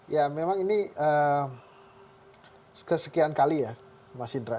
ya memang ini kesekian kali ya mas indra